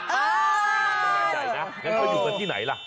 เออไม่ใจนะงั้นเขาอยู่กันที่ไหนล่ะ